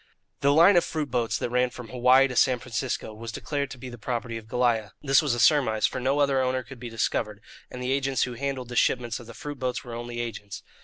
The line of fruit boats that ran from Hawaii to San Francisco was declared to be the property of Goliah. This was a surmise, for no other owner could be discovered, and the agents who handled the shipments of the fruit boats were only agents.